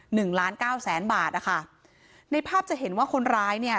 หนึ่งล้านเก้าแสนบาทนะคะในภาพจะเห็นว่าคนร้ายเนี่ย